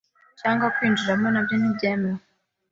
cyangwa kuwinjiramo na byo ntibyemewe.